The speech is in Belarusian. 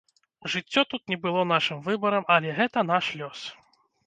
Жыццё тут не было нашым выбарам, але гэта наш лёс.